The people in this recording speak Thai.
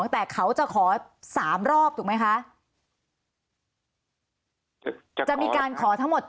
แต่เขาจะขอสามรอบถูกไหมคะ